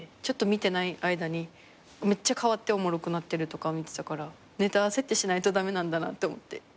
ちょっと見てない間にめっちゃ変わっておもろくなってるとかを見てたからネタ合わせってしないと駄目なんだなって思って。